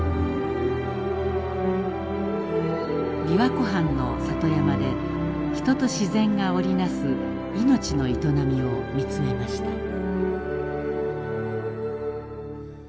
琵琶湖畔の里山で人と自然が織り成す命の営みを見つめました。